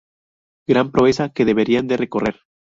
Gran proeza que debían de recorrer.